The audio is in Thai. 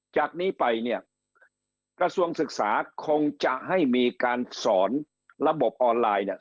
จากนี้ไปเนี่ยกระทรวงศึกษาคงจะให้มีการสอนระบบออนไลน์เนี่ย